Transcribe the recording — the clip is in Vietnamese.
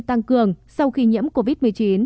tăng cường sau khi nhiễm covid một mươi chín